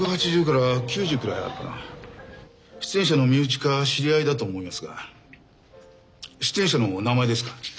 出演者の身内か知り合いだと思いますが出演者のお名前ですか？